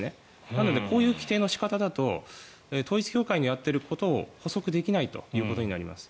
なのでこういう規定の仕方だと統一教会のやっていることを捕捉できないということになります。